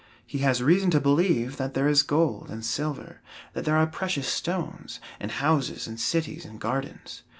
He has reason to believe that there is gold and silver, that there are precious stones, and houses, and cities, and gardens.